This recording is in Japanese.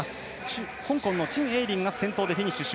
香港の陳睿琳が先頭でフィニッシュ。